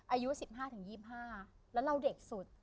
อายุ๑๕๒๕แล้วเราเด็กสุด